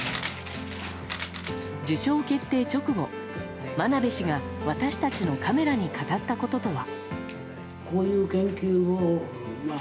受賞決定直後、真鍋氏が私たちのカメラに語ったこととは。